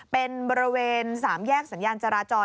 เป็นบริเวณ๓แยกสัญญาณจราจร